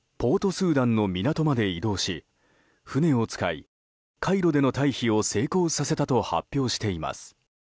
スーダンの港まで移動し船を使い、海路での退避を成功させたと発表しています。